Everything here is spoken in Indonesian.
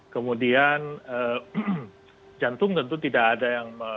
kemudian jantung tentu tidak ada yang